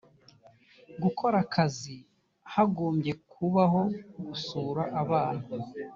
gukora akazi hagombye kubaho gusura abana